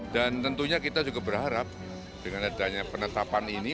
dan tentunya kita juga berharap dengan adanya penetapan ini